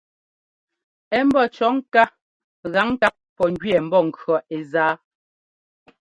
Ɛ̌ mbɔ́ cʉ̈ɔ ŋká gǎŋ ŋkap pɔ̂ njʉɛɛ mbɔnkʉ̈ɔ ɛ́ zá.